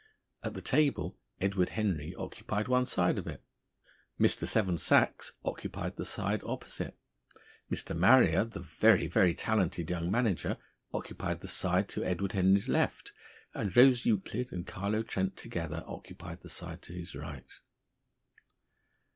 At the table, Edward Henry occupied one side of it, Mr. Seven Sachs occupied the side opposite, Mr. Marrier, the very, very talented young manager, occupied the side to Edward Henry's left, and Rose Euclid and Carlo Trent together occupied the side to his right.